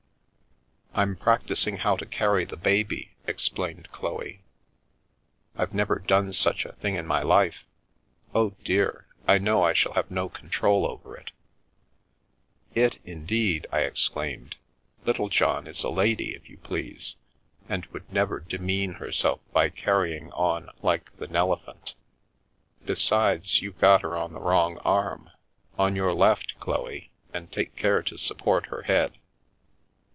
" I'm practising how to carry the baby," explained Chloe. " I've never done such a thing in my life. Oh, dear, I know I shall have no control over it !""' It,' indeed !" I exclaimed. " Littlejohn is a lady, if you please, and would never demean herself by car rying on like the Nelephant. Besides, you've got her on the wrong arm ! On your left, Chloe, and take care to support her head."